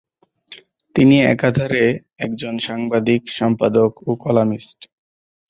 তিনি একাধারে একজন সাংবাদিক, সম্পাদক ও কলামিস্ট।